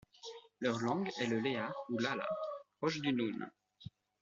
Leur langue est le léhar ou laala, proche du noon.